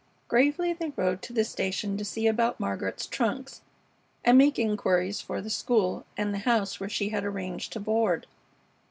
Gravely they rode to the station to see about Margaret's trunks and make inquiries for the school and the house where she had arranged to board.